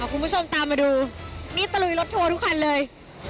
คุณผู้ชมตามมาดูนี่ตะลุยรถทัวร์ทุกคันเลย